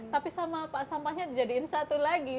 tapi sama sampahnya dijadiin satu lagi